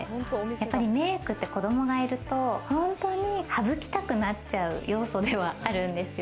やっぱりメイクって子供がいると本当に省きたくなっちゃう要素ではあるんですよ。